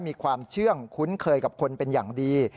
มีความเชื่องคุ้นเคยกับคนเป็นอย่างดี